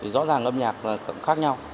rõ ràng âm nhạc cũng khác nhau